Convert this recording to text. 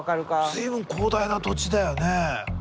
随分広大な土地だよね。